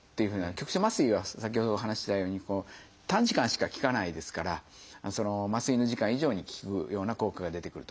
局所麻酔は先ほどお話ししたように短時間しか効かないですから麻酔の時間以上に効くような効果が出てくると。